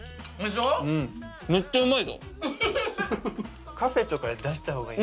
めっちゃうまいぞ。